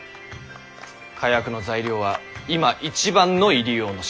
火薬の材料は今一番の入り用の品。